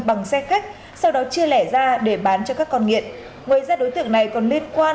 bằng xe khách sau đó chia lẻ ra để bán cho các con nghiện ngoài ra đối tượng này còn liên quan